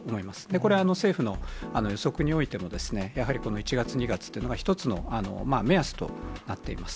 これは政府の予測においても、やはりこの１月、２月というのが、一つの目安となっています。